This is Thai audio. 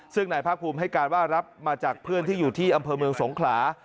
ซึ่งนายภาคภูมิให้การว่ารับมาจากเพื่อนที่อยู่ที่อำเภอเมืองสงขลา